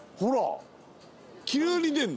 「急に出るの！」